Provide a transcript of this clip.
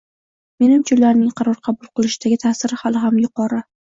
Menimcha, ularning qaror qabul qilishdagi ta'siri hali ham yuqori